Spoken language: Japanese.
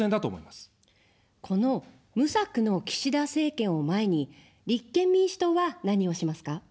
この無策の岸田政権を前に立憲民主党は何をしますか。